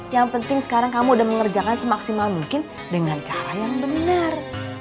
yang penting sekarang kamu udah mengerjakan semaksimal mungkin dengan cara yang benar